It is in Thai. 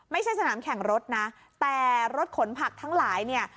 ไม่ใช่สนามแข่งรถนะแต่รถขนผักทั้งหลายเนี่ย